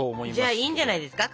じゃあいいんじゃないですか？